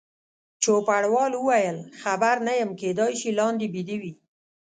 چوپړوال وویل: خبر نه یم، کېدای شي لاندې بیده وي.